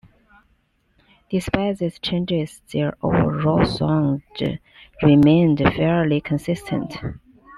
Despite these changes, their overall sound remained fairly consistent.